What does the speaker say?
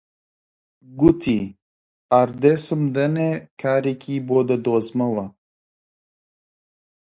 گوتی: ئاردێسم دەنێ کارێکی بۆ دەدۆزمەوە